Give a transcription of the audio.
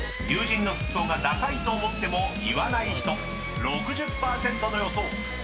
友人の服装がダサいと思っても言わない人６０％の予想］